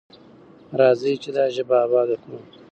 راځئ چې دا ژبه اباده کړو.